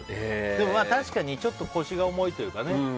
でも確かに腰が重いというかね。